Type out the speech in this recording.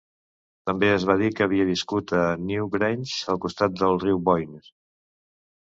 També es va dir que havia viscut a Newgrange, al costat del riu Boyne.